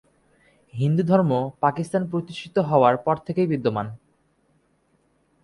হিন্দুধর্ম পাকিস্তান প্রতিষ্ঠিত হওয়ার পর থেকেই বিদ্যমান।